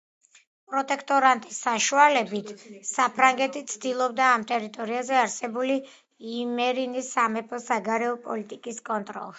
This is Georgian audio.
პროტექტორატის საშუალებით საფრანგეთი ცდილობდა ამ ტერიტორიაზე არსებული იმერინის სამეფოს საგარეო პოლიტიკის კონტროლს.